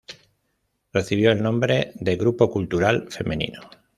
Recibió el nombre de Grupo Cultural Femenino.